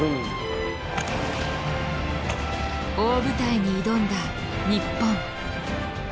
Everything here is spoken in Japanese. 大舞台に挑んだ日本。